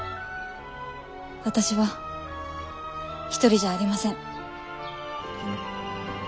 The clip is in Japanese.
私は一人じゃありません。